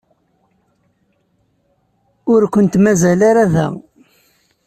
Ur kent-mazal ara da.